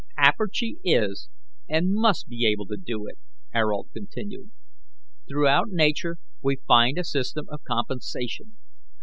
"Apergy is and must be able to do it," Ayrault continued. "Throughout Nature we find a system of compensation.